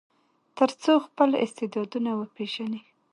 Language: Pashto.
تر څو خپل استعدادونه وپیژني.